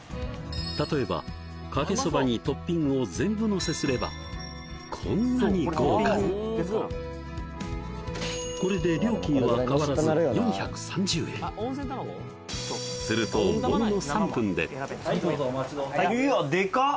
例えばかけそばにトッピングを全部のせすればこんなに豪華にこれで料金は変わらずするとものの３分でうわっでかっ！